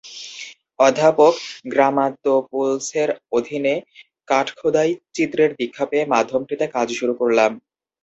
অধ্যাপক গ্রামাতোপুলসের অধীনে কাঠখোদাই চিত্রের দীক্ষা পেয়ে মাধ্যমটিতে কাজ শুরু করলাম।